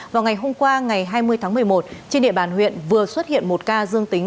vào ngày hôm qua ngày hai mươi tháng một mươi một trên địa bàn huyện vừa xuất hiện một ca dương tính